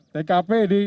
tkp di dureng